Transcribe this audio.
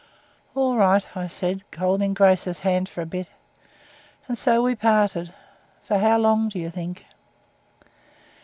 'All right,' I said, holding Grace's hand for a bit. And so we parted for how long, do you think?